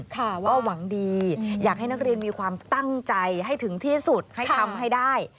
ค่ะว่าหวังดีอยากให้นักเรียนมีความตั้งใจให้ถึงที่สุดให้ทำให้ได้